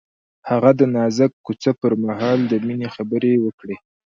هغه د نازک کوڅه پر مهال د مینې خبرې وکړې.